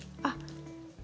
あっ。